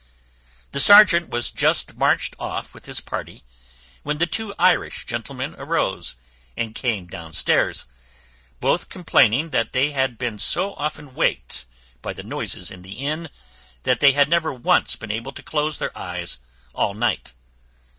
The serjeant was just marched off with his party, when the two Irish gentlemen arose, and came downstairs; both complaining that they had been so often waked by the noises in the inn, that they had never once been able to close their eyes all night.